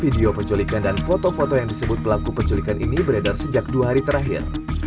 video penculikan dan foto foto yang disebut pelaku penculikan ini beredar sejak dua hari terakhir